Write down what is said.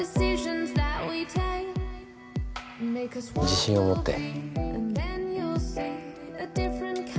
自信を持って。